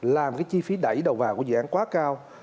làm cái chi phí đẩy đầu vào của dự án quá cao